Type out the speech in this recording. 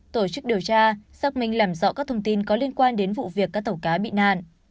tổ chức điều tra xác minh làm rõ các thông tin có liên quan đến vụ việc các tàu cá bị nạn